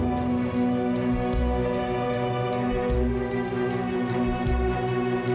kamu pegang janji aku aja